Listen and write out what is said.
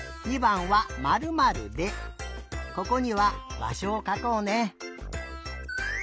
ここには「ばしょ」をかこうね。